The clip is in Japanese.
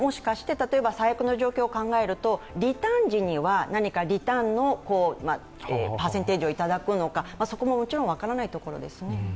最悪の状況を考えるとリターン時には何か、リターンのパーセンテージをいただくのかそれももちろん分からないところですね。